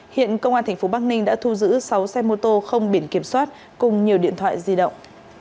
hiện công an tp bắc ninh đã thu giữ sáu xe mô tô không biển kiểm soát cùng nhiều điện thoại di động